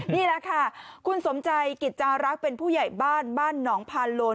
นี่แหละค่ะคุณสมใจกิจจารักษ์เป็นผู้ใหญ่บ้านบ้านหนองพาโลน